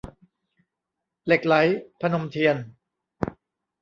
เหล็กไหล - พนมเทียน